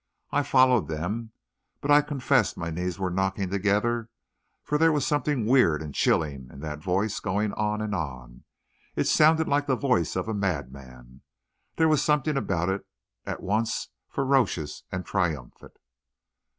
I followed them, but I confess my knees were knocking together, for there was something weird and chilling in that voice going on and on. It sounded like the voice of a madman; there was something about it at once ferocious and triumphant....